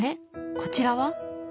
こちらは？